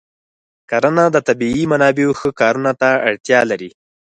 کرنه د طبیعي منابعو ښه کارونه ته اړتیا لري.